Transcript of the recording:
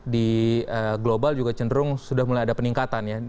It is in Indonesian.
di global juga cenderung sudah mulai ada peningkatan ya